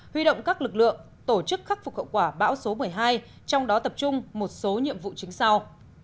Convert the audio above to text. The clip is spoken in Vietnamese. huy động các lực lượng tổ chức khắc phục hậu quả bão số một mươi hai trong đó tập trung một số nhiệm vụ chính sau